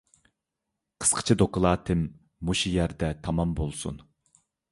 قىسقىچە دوكلاتىم مۇشۇ يەردە تامام بولسۇن.